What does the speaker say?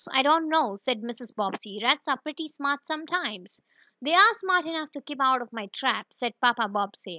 "I don't know," said Mrs. Bobbsey. "Rats are pretty smart sometimes." "They are smart enough to keep out of my trap," said Papa Bobbsey.